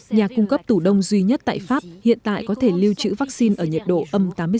nhà cung cấp tủ đông duy nhất tại pháp hiện tại có thể lưu trữ vaccine ở nhiệt độ âm tám mươi sáu